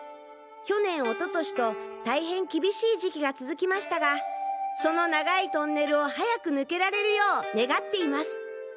去年おととしと大変キビシイ時期が続きましたがその長いトンネルを早く抜けられるよう願っています。